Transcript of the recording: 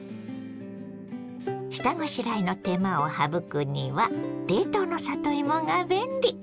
下ごしらえの手間を省くには冷凍の里芋が便利。